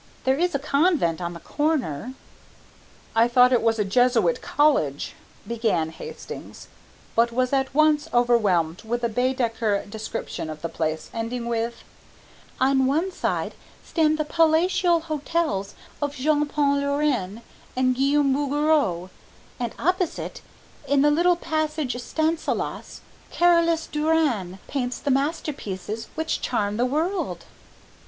There is a convent on the corner." "I thought it was a Jesuit College," began Hastings, but was at once overwhelmed with a Baedecker description of the place, ending with, "On one side stand the palatial hotels of Jean Paul Laurens and Guillaume Bouguereau, and opposite, in the little Passage Stanislas, Carolus Duran paints the masterpieces which charm the world."